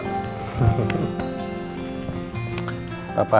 k santa tack